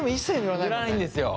塗らないんですよ。